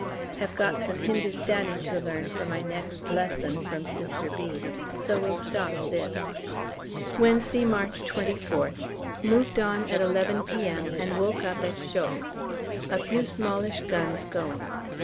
Have got some Hindustani to learn for my next lesson (from Sister B.), so will stop this. Wednesday, March 24th. Moved on at 11 P.M. and woke up at Chocques; a few smallish guns going.